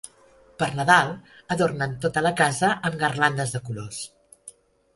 Per Nadal adornen tota la casa amb garlandes de colors.